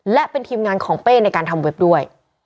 และเป็นทีมงานของเป้ในการทำเว็บด้วย